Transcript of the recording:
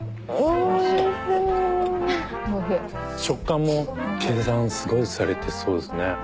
食感も計算すごいされてそうですね。